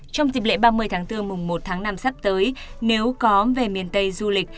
trong dịp lễ ba mươi tháng bốn mùng một tháng năm sắp tới nếu có về miền tây du lịch